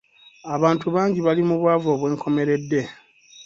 Abantu bangi bali mu bwavu obw'enkomeredde.